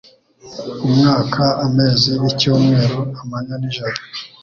umwaka, amezi, icyumweru, amanywa n'ijoro